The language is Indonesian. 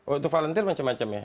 untuk volunteer macam macam ya